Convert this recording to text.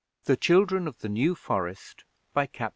THE CHILDREN OF THE NEW FOREST. BY CAPT.